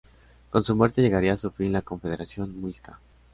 Con su muerte llegaría a su fin la Confederación Muisca.